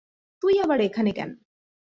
তুই আবার এখানে কেন?